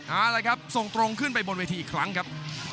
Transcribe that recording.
เอาละครับส่งตรงขึ้นไปบนเวทีอีกครั้งครับ